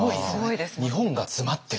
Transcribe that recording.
日本が詰まってる。